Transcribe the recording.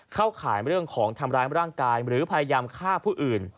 ข่ายเรื่องของทำร้ายร่างกายหรือพยายามฆ่าผู้อื่น